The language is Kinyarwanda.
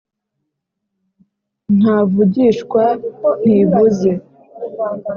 ntavugishwa ntivuze